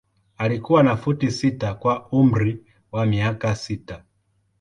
Alikuwa na futi sita kwa umri wa miaka sita.